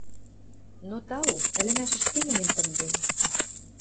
Но тау, ӹлӹмӓш ӹшке мӹньӹм тымден.